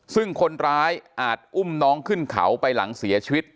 ซึ่งคนร้ายอาจอุ้มน้องขึ้นเขาไปหลังเสียชีวิต